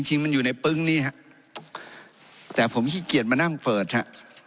จริงมันอยู่ในปึ๊งนี้ฮะแต่ผมขี้เกียจมานั่งเปิดฮะ